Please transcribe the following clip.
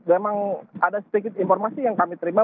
memang ada sedikit informasi yang kami terima